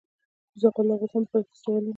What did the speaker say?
زغال د افغانستان د فرهنګي فستیوالونو برخه ده.